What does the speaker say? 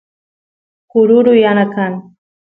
kururu yana kan